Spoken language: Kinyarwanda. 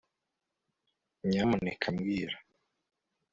nyamuneka, mbwira